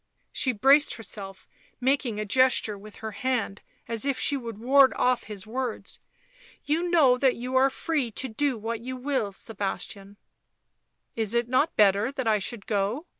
She braced herself, making a gesture with her hand as if she would ward off his words. " You know that you are free to do what you will, Sebastian "" Is it not better that I should go